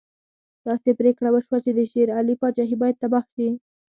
داسې پرېکړه وشوه چې د شېر علي پاچهي باید تباه شي.